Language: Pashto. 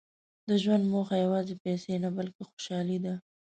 • د ژوند موخه یوازې پیسې نه، بلکې خوشالي ده.